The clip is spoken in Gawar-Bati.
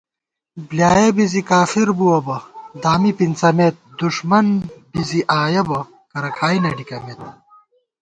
بۡلیایَہ بی زِی کافر بُوَہ بہ ، دامی پِنڅَمېت * دُݭمن بی زی آیَہ بہ کرہ کھائی نہ ڈِکَمېت